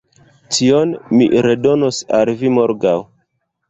Tion mi redonos al vi morgaŭ